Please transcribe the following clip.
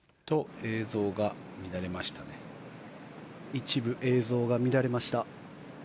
一部映像が乱れました。